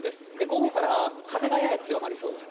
午後から風がやや強まりそうです。